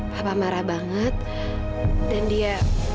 papa marah banget dan dia